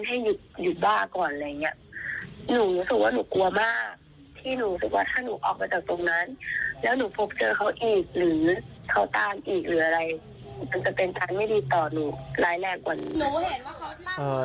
มันจะเป็นทางไม่ดีต่อหนูร้ายแน่กว่านี้